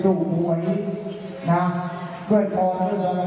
ลิฟท์นำวังรักษาท่องจัดการ